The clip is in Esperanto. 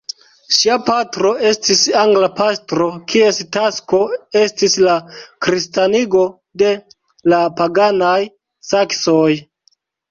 Ŝia patro estis angla pastro, kies tasko estis la kristanigo de la paganaj saksoj.